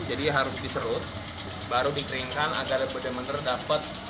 jadi harus diserut baru dikeringkan agar benar benar dapat